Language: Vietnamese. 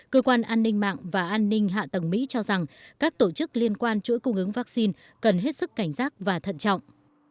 cơ quan an ninh mạng và an ninh hạ tầng mỹ cho rằng các tổ chức liên quan chuỗi cung ứng vaccine cần hết sức cảnh giác và thận trọng